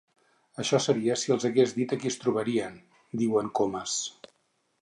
Això seria si els hagués dit a qui es trobarien —diu el Comas—.